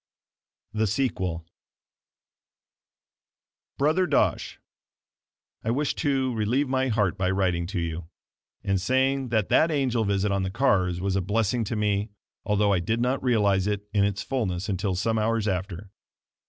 The Sequel Brother Dosh: I wish to relieve my heart by writing to you, and saying that that angel visit on the cars was a blessing to me, although I did not realize it in its fullness until some hours after.